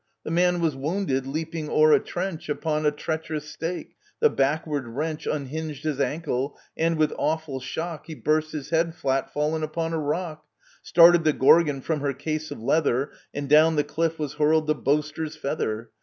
The man was wounded, leaping o'er a trench Upon a treacherous stake ; the backward wrench Unhinged his ankle, and, with awful shock, He burst his head flat fallen upon a rock ! Started the Gorgon from her case of leather, And down the cliff was hurled the Boaster's feather.